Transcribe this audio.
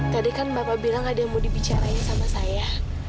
tadi kan bapak bilang ada yang mau dibicarain sama saya